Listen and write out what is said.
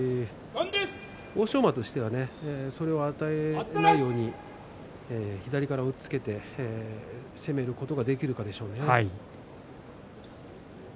欧勝馬としてはそれを与えないように左から押っつけて攻めることができるかでしょうね。